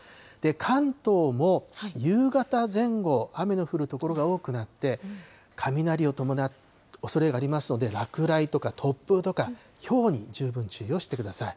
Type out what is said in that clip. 関東も夕方前後、雨の降る所が多くなって、雷を伴うおそれがありますので、落雷とか突風、ひょうに十分注意をしてください。